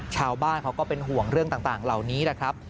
ชาวบ้านเขาก็เป็นห่วงเรื่องต่างเหล่านี้แหละครับ